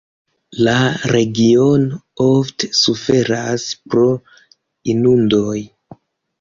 La regiono ofte suferas pro inundoj.